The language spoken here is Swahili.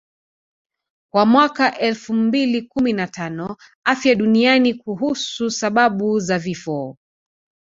Kwa mwaka elfu mbili kumi na tano Afya duniani kuhusu sababu za vifo